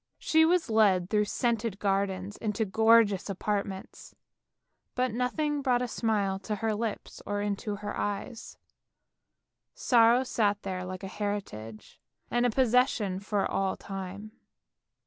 She was led through scented gardens into gorgeous apartments, but nothing brought a smile to her lips, or into her eyes, sorrow sat there like a heritage and a posses sion for all time.